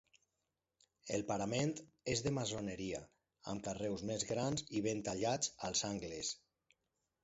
El parament és de maçoneria, amb carreus més grans i ben tallats als angles.